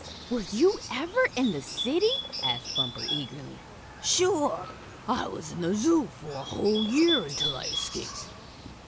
"Were you ever in the city?" asked Bumper, eagerly. "Sure! I was in the Zoo for a whole year until I escaped."